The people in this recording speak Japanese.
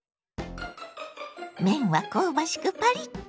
麺は香ばしくパリッと。